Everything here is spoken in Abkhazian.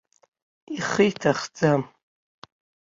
Ихы иҭахӡам.